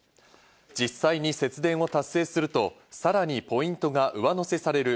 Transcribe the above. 実際に節電を達成すると、さらにポイントが上乗せされる